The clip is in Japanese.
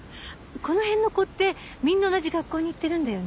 この辺の子ってみんな同じ学校に行ってるんだよね？